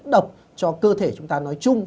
độc cho cơ thể chúng ta nói chung